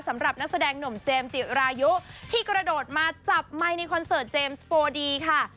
สำหรับนักแสดงหนุ่มเจมส์จิรายุที่กระโดดมาจับไมค์ในคอนเสิร์ตเจมส์โฟดีค่ะ